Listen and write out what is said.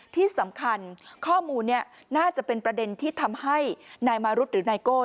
ที่สำคัญข้อมูลนี้น่าจะเป็นประเด็นที่ทำให้นายมารุธหรือนายโก้